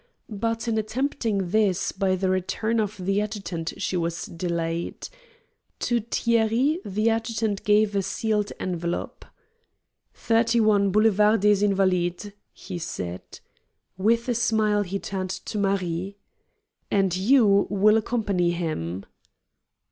But, in attempting this, by the return of the adjutant she was delayed. To Thierry the adjutant gave a sealed envelope. "Thirty one, Boulevard des Invalides," he said. With a smile he turned to Marie. "And you will accompany him!"